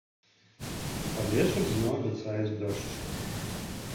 Пад вечар зноў абяцаюць дождж.